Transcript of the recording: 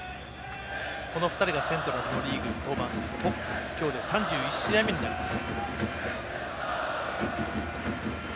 この２人がセントラル・リーグに登板するのはトップ今日で３１試合目になります。